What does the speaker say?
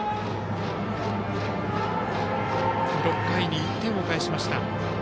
６回に１点を返しました。